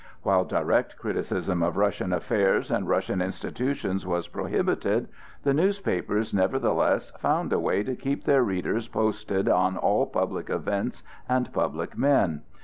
While direct criticism of Russian affairs and Russian institutions was prohibited, the newspapers nevertheless found a way to keep their readers posted on all public events and public men.